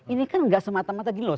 ini kan gak semata mata gitu loh